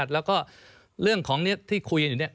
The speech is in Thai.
แล้วก็เรื่องของที่คุยกันอยู่เนี่ย